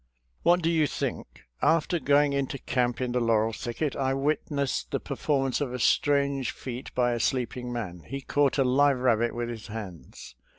What do you think? After going into camp in the laurel thicket I witnessed the performance of a strange feat by a sleeping man — ^he caught a live rabbit with his hands.